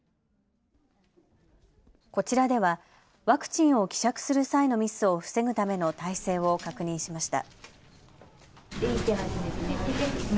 こちらではワクチンを希釈する際のミスを防ぐための体制を確認しました。